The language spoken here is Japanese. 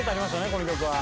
この曲は。